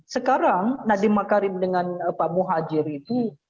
sekarang nadiem makarim dengan pak muhajir itu